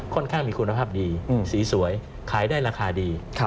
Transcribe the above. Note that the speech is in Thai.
ข้างมีคุณภาพดีสีสวยขายได้ราคาดี